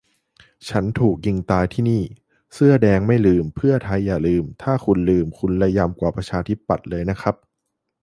- "ฉันถูกยิงตายที่นี่" เสื้อแดงไม่ลืม เพื่อไทยอย่าลืม ถ้าคุณลืม คุณระยำกว่าประชาธิปัตย์เลยนะครับ